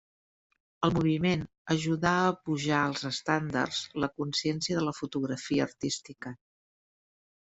El moviment ajudà a apujar els estàndards la consciència de la fotografia artística.